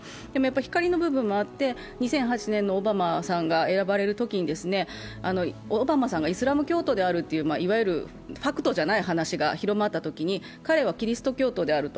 光の部分もあって、２００８年のオバマさんが選ばれるときにオバマさんがイスラム教徒であるという、いわゆるファクトじゃない話が広まったときに、彼はキリスト教とであると。